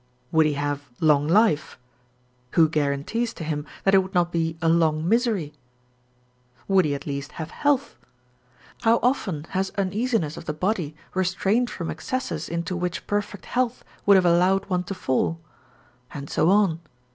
Would he have long life? who guarantees to him that it would not be a long misery? would he at least have health? how often has uneasiness of the body restrained from excesses into which perfect health would have allowed one to fall? and so on.